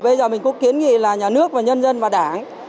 bây giờ mình cũng kiến nghị là nhà nước và nhân dân và đảng